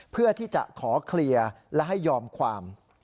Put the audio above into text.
เพื่อที่จะขอเคลียร์และให้ยอมความ